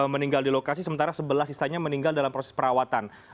meninggal di lokasi sementara sebelas sisanya meninggal dalam proses perawatan